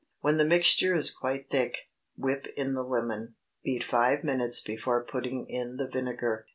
When the mixture is quite thick, whip in the lemon. Beat five minutes before putting in the vinegar.